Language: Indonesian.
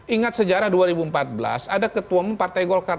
ingat sejarah dua ribu empat belas ada ketua umum partai golkar